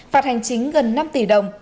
phạt hành chính gần năm tỷ đồng